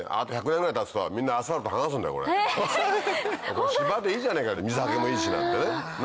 もう芝でいいじゃねえか水はけもいいしなんてね。